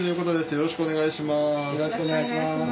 よろしくお願いします。